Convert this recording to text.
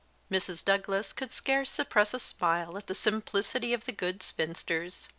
Mrs. Douglas could scarce suppress a smile at the simplicity of the good spinsters.